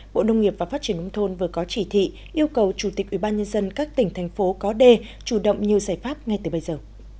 bộ nông nghiệp và phát triển nông thôn vừa có chỉ thị yêu cầu chủ tịch ubnd các tỉnh thành phố có đề chủ động nhiều giải pháp ngay từ bây giờ